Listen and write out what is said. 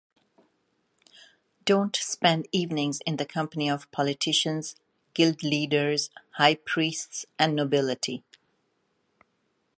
Don't spend evenings in the company of politicians, guild leaders, high priests, and nobility.